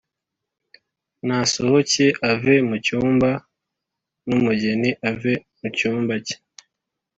nasohoke ave mu cyumba n umugeni ave mu cyumba cye